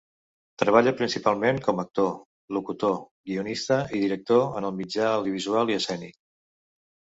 Treballa principalment com a actor, locutor, guionista i director en el mitjà audiovisual i escènic.